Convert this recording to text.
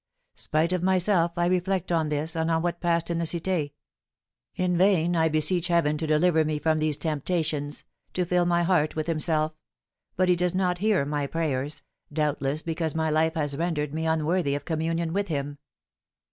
Spite of myself, I reflect on this, and on what passed in the Cité. In vain I beseech Heaven to deliver me from these temptations, to fill my heart with himself; but he does not hear my prayers, doubtless because my life has rendered me unworthy of communion with him."